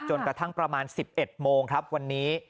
กระทั่งประมาณ๑๑โมงครับวันนี้